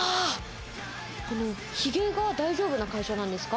ひげが大丈夫な会社なんですか？